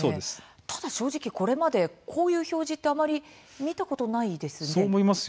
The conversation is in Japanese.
これまでこういう表示あまり見たことないですよね。